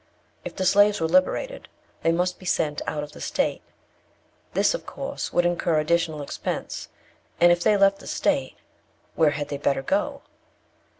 If the slaves were liberated, they must be sent out of the state. This, of course, would incur additional expense; and if they left the state, where had they better go?